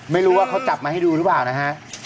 ไม่รู้ว่าเขาจับให้มาดูหรือบ้าง